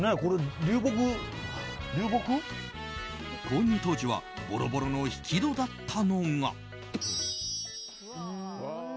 購入当時はボロボロの引き戸だったのが。